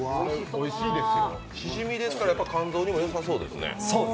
しじみですから、やはり肝臓にもよさそうですね。